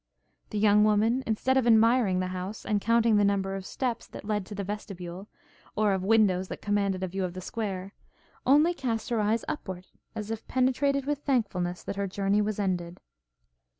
The young woman, instead of admiring the house, and counting the number of steps that led to the vestibule, or of windows that commanded a view of the square, only cast her eyes upwards, as if penetrated with thankfulness that her journey was ended.